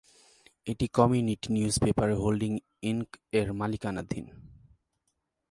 এটি community newspaper holdings Inc এর মালিকানাধীন।